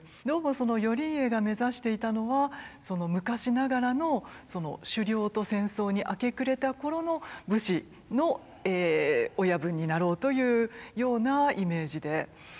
どうもその頼家が目指していたのは昔ながらの狩猟と戦争に明け暮れた頃の武士の親分になろうというようなイメージで。